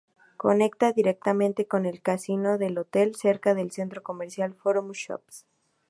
Conecta directamente con el casino del hotel, cerca al centro comercial Forum Shops.